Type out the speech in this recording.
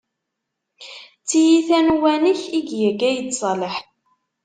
D tiyita n uwanek i iga Gayed Ṣaleḥ.